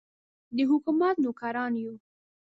د حکومت نوکران یو.